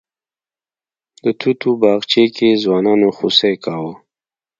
د توتو باغچې کې ځوانانو خوسی کوه.